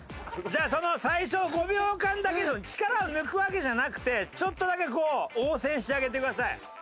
じゃあ最初５秒間だけ力を抜くわけじゃなくてちょっとだけこう応戦してあげてください。